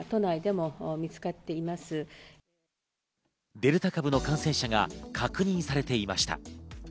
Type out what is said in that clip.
デルタ株の感染者が確認されていました。